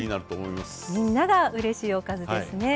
みんながうれしいおかずですね。